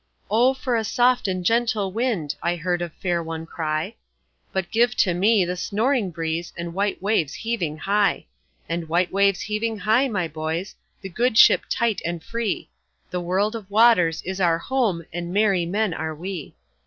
"O for a soft and gentle wind!" I heard a fair one cry; But give to me the snoring breeze And white waves heaving high; And white waves heaving high, my boys, The good ship tight and free, The world of waters is our home, And merry men are we.